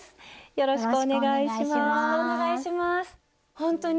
よろしくお願いします。